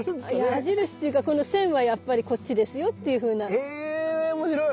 矢印っていうかこの線はやっぱりこっちですよっていうふうな。へおもしろい。